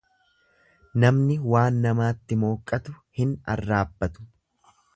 Namni waan namaatti mooqqatu hin arraabbatu.